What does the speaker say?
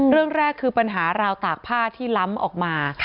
เรื่องแรกคือปัญหาราวตากผ้าที่ล้ำออกมา